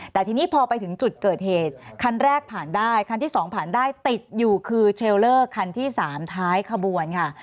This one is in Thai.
แต่ทีนี้พอไปถึงจุดเกิดเหตุคันแรกผ่านได้คันที่สองผ่านได้ติดอยู่คือเทรลเลอร์คันที่๓ท้ายขบวนค่ะ